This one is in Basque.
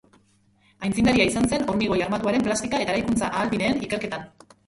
Aitzindaria izan zen hormigoi armatuaren plastika- eta eraikuntza-ahalbideen ikerketan.